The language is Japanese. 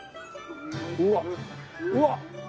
うわっうわっ！